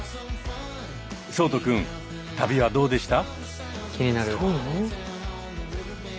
聡人くん旅はどうでした？